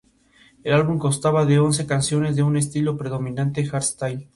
El humo se usa como ayuda a repeler los insectos y los mosquitos.